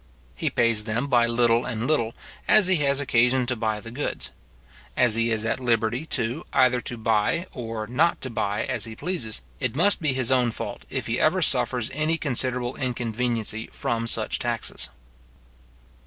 He pays them by little and little, as he has occasion to buy the goods. As he is at liberty too, either to buy or not to buy, as he pleases, it must be his own fault if he ever suffers any considerable inconveniency from such taxes.